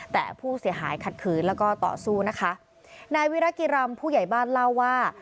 แต่ผู้เสียหายขัดขืนแล้วก็ต่อสู้นะคะนายวิรกิรำผู้ใหญ่บ้านเล่าว่า